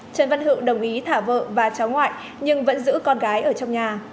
trần văn hữu đồng ý thả vợ và cháu ngoại nhưng vẫn giữ con gái ở trong nhà